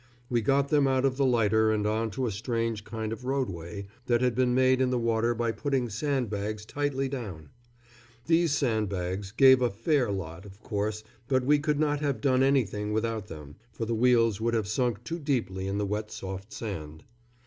We got them out of the lighter and on to a strange kind of roadway that had been made in the water by putting sandbags tightly down. These sandbags "gave" a fair lot, of course, but we could not have done anything without them, for the wheels would have sunk too deeply in the wet soft sand.